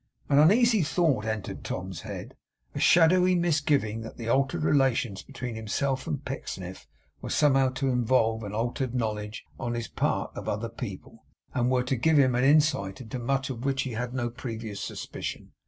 An uneasy thought entered Tom's head; a shadowy misgiving that the altered relations between himself and Pecksniff were somehow to involve an altered knowledge on his part of other people, and were to give him an insight into much of which he had had no previous suspicion.